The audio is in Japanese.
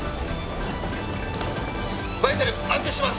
バイタル安定してます。